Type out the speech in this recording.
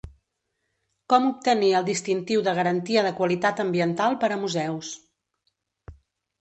Com obtenir el distintiu de garantia de qualitat ambiental per a museus.